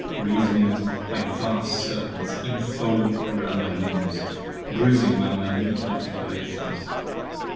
Reasonings like vast Serpents Infold around my limbs, bruising my minute articulations.